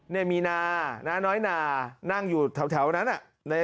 เนี่ยมีนาน้อยนานั่งอยู่แถวนั้นน่ะ